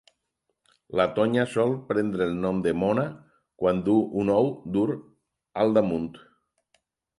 La tonya sol prendre el nom de mona quan du un ou dur al damunt.